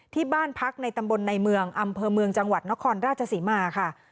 ที่บ้านพักในตำบลในเมืองอำเภอเมืองจังหวัดนครราชศรีมาค่ะ